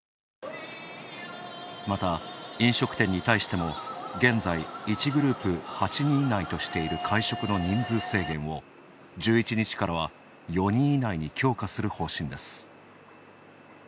また、飲食店に対しても現在１グループ８人以内としている会食の人数制限を１１日からは４人以内に強化する方針です。